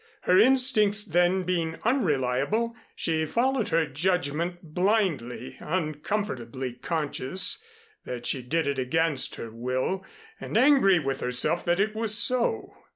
Her instincts then being unreliable, she followed her judgment blindly, uncomfortably conscious that she did it against her will, and angry with herself that it was so.